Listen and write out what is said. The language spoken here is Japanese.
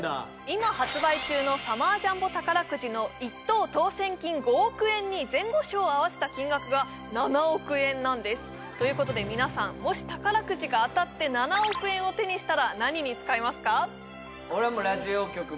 今発売中のサマージャンボ宝くじの１等当せん金５億円に前後賞を合わせた金額が７億円なんですということで皆さんもし宝くじが当たって７億円を手にしたら何に使いますか？